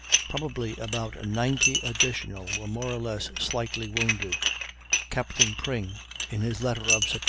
Probably about 90 additional were more or less slightly wounded. Captain Pring, in his letter of Sept.